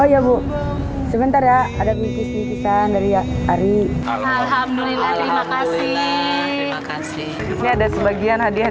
oh ya bu sebentar ya ada bikis tipisan dari ari alhamdulillah terima kasih ini ada sebagian hadiah